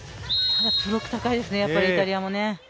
ただ、ブロック高いですね、イタリアもね。